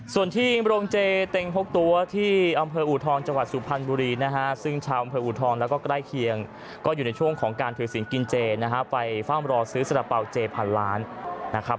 ส่วนที่โรงเจเต็งพกตัวที่อำเภออูทองจังหวัดสุพรรณบุรีนะฮะซึ่งชาวอำเภออูทองแล้วก็ใกล้เคียงก็อยู่ในช่วงของการถือสินกินเจนะฮะไปเฝ้ารอซื้อสาระเป๋าเจพันล้านนะครับ